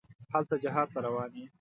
هلته جهاد ته روان یې.